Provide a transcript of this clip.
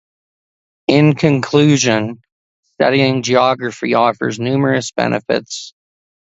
In conclusion, studying geography offers numerous benefits.